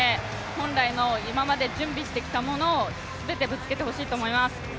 本来の今まで準備してきたものをすべてぶつけてほしいと思います。